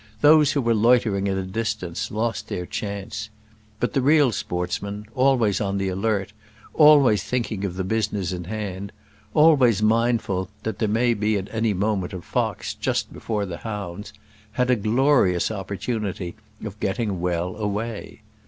Those who were loitering at a distance lost their chance. But the real sportsmen, always on the alert, always thinking of the business in hand, always mindful that there may be at any moment a fox just before the hounds, had a glorious opportunity of getting "well away."